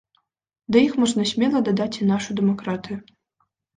Да іх можна смела дадаць і нашу дэмакратыю.